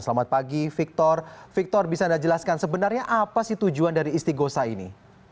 selamat pagi victor victor bisa anda jelaskan sebenarnya apa sih tujuan dari isti gosah ini